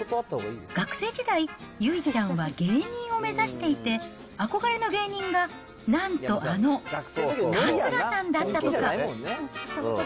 学生時代、由衣ちゃんは芸人を目指していて、憧れの芸人が、なんとあの春日さんだったとか。